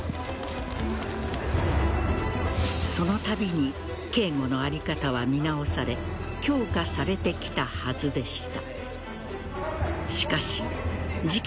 そのたびに警護の在り方は見直され強化されてきたはずでした。